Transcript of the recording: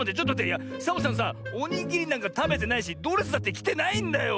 いやサボさんさおにぎりなんかたべてないしドレスだってきてないんだよ！